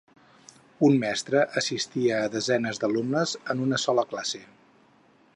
Un mestre assistia a desenes d'alumnes en una sola classe.